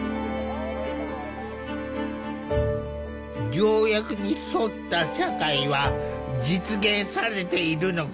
条約に沿った社会は実現されているのか。